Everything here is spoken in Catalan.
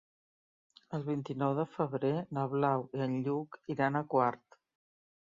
El vint-i-nou de febrer na Blau i en Lluc iran a Quart.